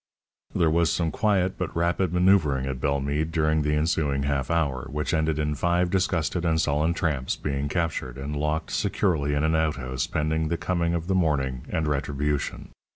There was some quiet, but rapid, mavoeuvring at Bellemeade during the ensuring half hour, which ended in five disgusted and sullen tramps being captured, and locked securely in an outhouse pending the coming of the morning and retribution.